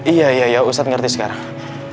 iya iya ya ustadz ngerti sekarang